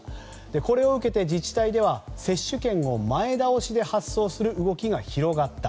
これを受けて自治体では接種券を前倒しで発送する動きが広がった。